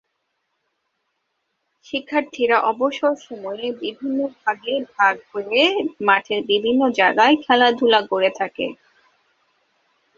শিক্ষার্থীরা অবসর সময়ে বিভিন্ন ভাগ হয়ে মাঠের বিভিন্ন জায়গায় খেলাধুলা করে থাকে।